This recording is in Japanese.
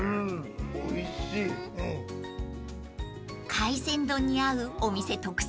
［海鮮丼に合うお店特製のゴマ